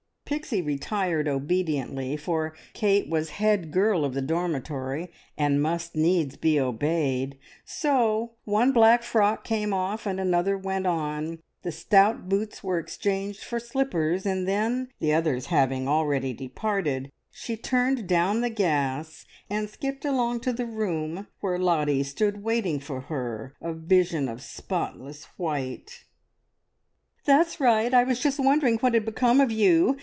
Pixie retired obediently, for Kate was head girl of the dormitory, and must needs be obeyed; so one black frock came off and another went on, the stout boots were exchanged for slippers, and then the others having already departed she turned down the gas, and skipped along to the room where Lottie stood waiting for her, a vision of spotless white. "That's right! I was just wondering what had become of you.